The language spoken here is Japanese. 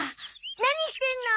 何してんの？